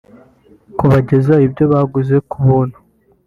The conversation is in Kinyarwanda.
kubagezaho ibyo baguze ku buntu